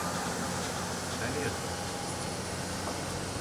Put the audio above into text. Далей ад гэтага месца!